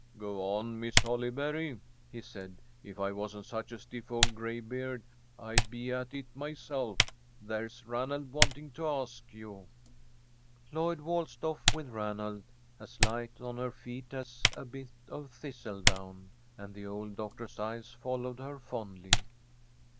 "Go on, Miss Holly berry," he said. "If I wasn't such a stiff old graybeard, I'd be at it myself. There's Ranald wanting to ask you." Lloyd waltzed off with Ranald, as light on her feet as a bit of thistle down, and the old doctor's eyes followed her fondly.